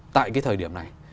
tại cái thời điểm này